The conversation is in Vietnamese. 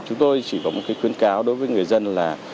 chúng tôi chỉ có một cái khuyến cáo đối với người dân là